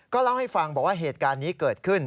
เล่าให้ฟังบอกว่าเหตุการณ์นี้เกิดขึ้น